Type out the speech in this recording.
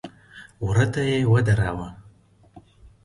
وره ته يې ودراوه.